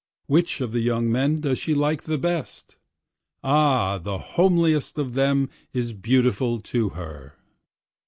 Which of the young men does she like the best? Ah the homeliest of them is beautiful to her.